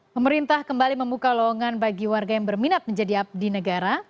pemerintah kembali membuka lowongan bagi warga yang berminat menjadi abdi negara